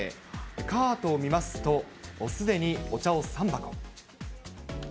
カートを見ますと、すでにお茶を３箱。